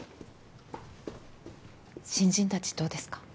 新人たちどうですか？